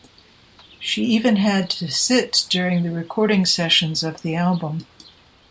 She even had to sit during the recording sessions of the album.